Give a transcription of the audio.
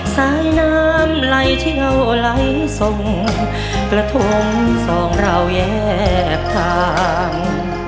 สายน้ำไหลเชี่ยวไหลสมกระทงสองเราแยกทาง